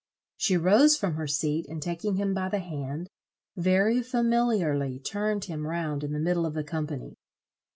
She rose from her seat, and, taking him by the hand, very familiarly turned him round in the middle of the company.